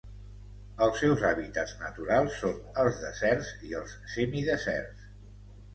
Els seus hàbitats naturals són els deserts i els semideserts.